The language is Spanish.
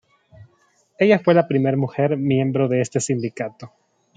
Ella fue la primera mujer miembro de este sindicato.